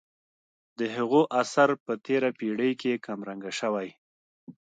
د هغو اثر په تېره پېړۍ کې کم رنګه شوی.